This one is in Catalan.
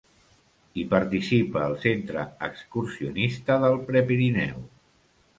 Hi participa el Centre Excursionista del Prepirineu.